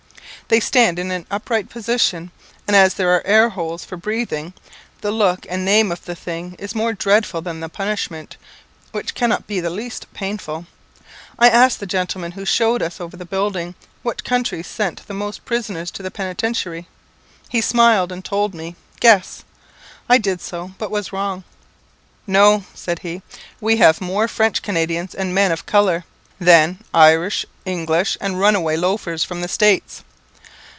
They stand in an upright position; and as there are air holes for breathing, the look and name of the thing is more dreadful than the punishment, which cannot be the least painful. I asked the gentleman who showed us over the building, what country sent the most prisoners to the Penitentiary? He smiled, and told me "guess." I did so, but was wrong. "No," said he; "we have more French Canadians and men of colour. Then Irish, English, and run a way loafers from the States.